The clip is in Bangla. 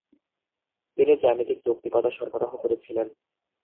তিনি জ্যামিতিক যৌক্তিকতা সরবরাহ করেছিলেন।